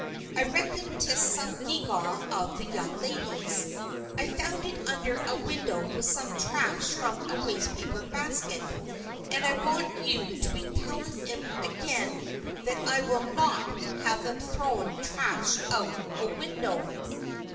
"I reckon 'tis some gewgaw of the young ladies. I found it under a window with some trash from a wastepaper basket, and I want you to be tellin' 'em again that I will not have 'em throwing trash out o' window."